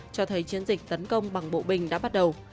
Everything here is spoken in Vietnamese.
cho thấy chiến dịch tấn công bằng bộ binh đã bắt đầu